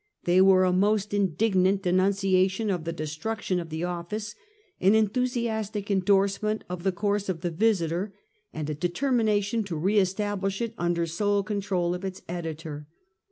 They were a most in dignant denunciation of the destruction of the ofiice, an enthusiastic endorsement of the course of the Vis iter, and a determination to re establish it, under the sole control of its editor.